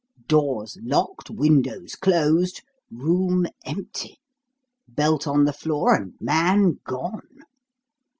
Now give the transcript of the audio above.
Doors locked, windows closed, room empty, belt on the floor, and man gone.